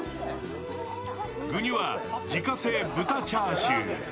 具には自家製豚チャーシュー。